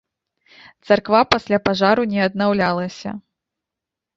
Царква пасля пажару не аднаўлялася.